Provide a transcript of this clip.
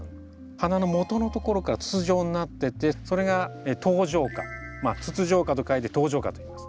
花のもとのところから筒状になっててそれが筒状花「筒状花」と書いて筒状花といいます。